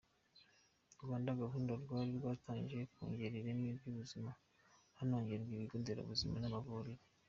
Rwanda gahunda rwari rwatangiye yo kongera ireme ry’ubuzima, hanongerwa ibigo nderabuzima n’amavuriro.